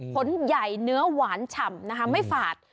ผลใหญ่เนื้อหวานฉ่ำนะคะไม่ฝาด